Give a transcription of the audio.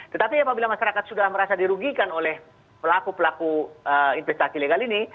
tetapi apabila masyarakat sudah merasa dirugikan oleh pelaku pelaku investasi legal ini